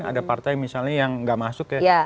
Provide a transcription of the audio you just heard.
ada partai misalnya yang nggak masuk ya